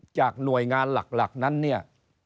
จากหน่วยงานหลักนั้นเนี่ย